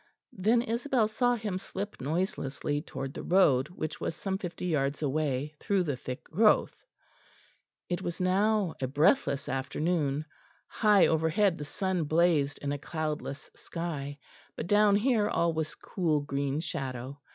Then Isabel saw him slip noiselessly towards the road, which was some fifty yards away, through the thick growth. It was now a breathless afternoon. High overhead the sun blazed in a cloudless sky, but down here all was cool, green shadow.